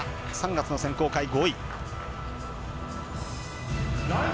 ３月の選考会５位。